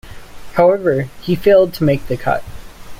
However, he failed to make the cut.